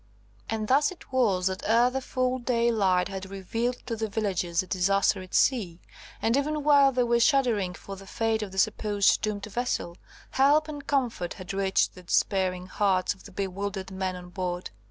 And thus it was that ere the full daylight had revealed to the villagers the disaster at sea, and even while they were shuddering for the fate of the supposed doomed vessel, help and comfort had reached the despairing hearts of the bewildered men on board.